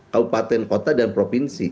kaupaten kota dan provinsi